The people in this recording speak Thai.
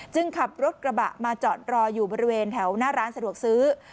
ขับรถกระบะมาจอดรออยู่บริเวณแถวหน้าร้านสะดวกซื้อ